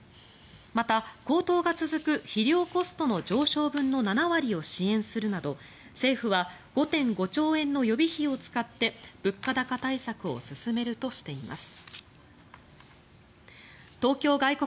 また、高騰が続く肥料コストの上昇分の７割を支援するなど政府は５．５兆円の予備費を使って物価高対策を進めるとしています。